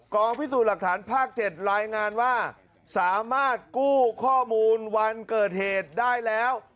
พิสูจน์หลักฐานภาค๗รายงานว่าสามารถกู้ข้อมูลวันเกิดเหตุได้แล้ว